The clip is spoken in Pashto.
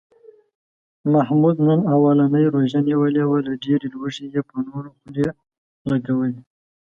محمود نن اولنۍ روژه نیولې وه، له ډېرې لوږې یې په نورو خولې لږولې.